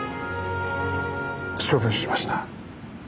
処分しました。